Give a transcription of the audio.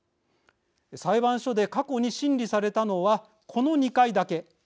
裁判所で過去に審理されたのはこの２回だけ。